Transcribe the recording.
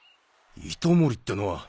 糸守ってのは。